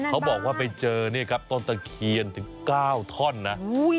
เขาบอกว่าไปเจอต้นเท่าเวลาถึง๙ท่อนนะ